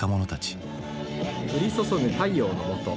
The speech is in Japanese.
「降り注ぐ太陽のもと